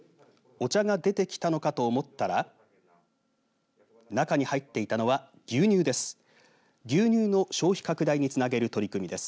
お茶が出てきたのかと思ったら中に入っていたのは牛乳です。